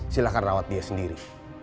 silahkan rawat dia sendiri